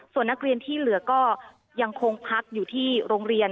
ส่วนนักเรียนที่เหลือก็ยังคงพักอยู่ที่โรงเรียน